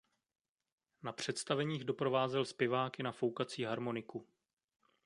Na představeních doprovázel zpěváky na foukací harmoniku.